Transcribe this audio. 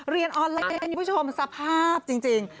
เรียนออนไลน์สภาพจริง